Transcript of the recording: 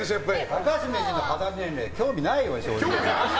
高橋名人の肌年齢興味ないよ、正直。